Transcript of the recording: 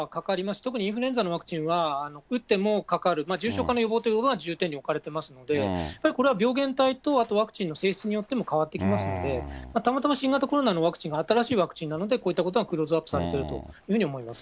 特にインフルエンザのワクチンは、打ってもかかる、重症化の予防というものが重点に置かれてますので、やっぱりこれは病原体と、あとワクチンの性質によっても変わってきますので、たまたま新型コロナのワクチンが新しいワクチンなのでこういったことはクローズアップされてるというふうに思います。